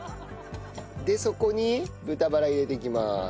でそこに豚バラ入れていきます。